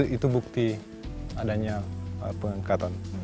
itu bukti adanya pengangkatan